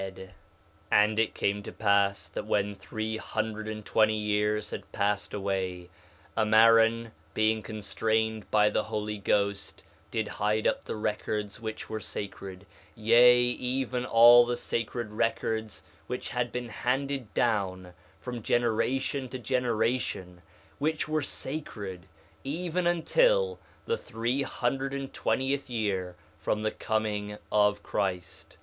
4 Nephi 1:48 And it came to pass that when three hundred and twenty years had passed away, Ammaron, being constrained by the Holy Ghost, did hide up the records which were sacred—yea, even all the sacred records which had been handed down from generation to generation, which were sacred—even until the three hundred and twentieth year from the coming of Christ.